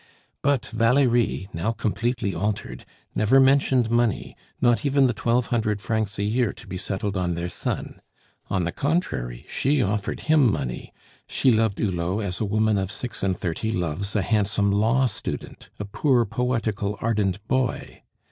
But Valerie, now completely altered, never mentioned money, not even the twelve hundred francs a year to be settled on their son; on the contrary, she offered him money, she loved Hulot as a woman of six and thirty loves a handsome law student a poor, poetical, ardent boy.